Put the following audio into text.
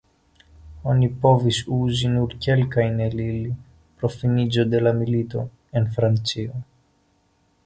Oni povis uzi nur kelkajn el ili pro finiĝo de la milito, en Francio.